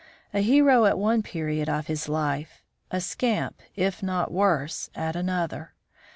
A hero at one period of his life; a scamp, if not worse, at another!